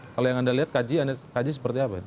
kalau yang anda lihat kaji seperti apa